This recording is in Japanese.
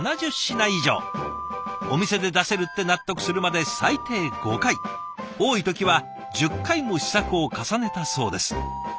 お店で出せるって納得するまで最低５回多い時は１０回も試作を重ねたそうです。